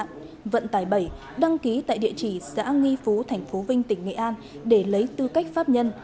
nguyễn văn nam đã đăng ký tại địa chỉ xã nghi phú thành phố vinh tỉnh nghệ an để lấy tư cách pháp nhân